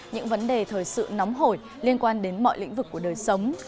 những vấn đề thời sự nóng hổi liên quan đến mọi lĩnh vực của đời sống